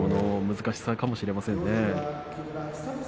難しさかもしれませんね。